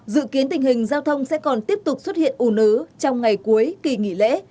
dự kiến tình hình giao thông sẽ còn tiếp tục xuất hiện ủ nứ trong ngày cuối kỳ nghỉ lễ